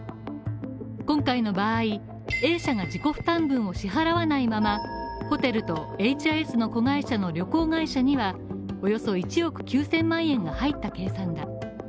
今回の場合、Ａ社が自己負担分を支払わないままホテルとエイチ・アイ・エスの子会社の旅行会社にはおよそ１億９０００万円が入った計算だ。